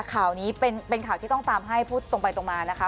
ข่าวนี้เป็นข่าวที่ต้องตามให้พูดตรงไปตรงมานะคะ